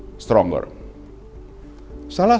salah satu agenda penting di dalam